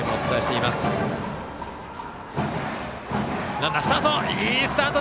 ランナー、スタート！